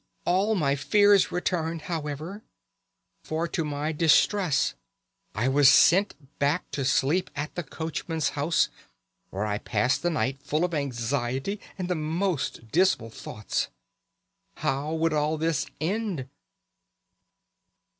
"All my fears returned, however, for to my distress I was sent back to sleep at the coachman's house, where I passed the night full of anxiety and the most dismal thoughts. How would all this end?